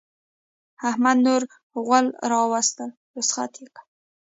احمد نور غول راوستل؛ رخصت يې کړه.